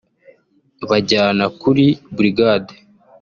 banjyana kuri brigade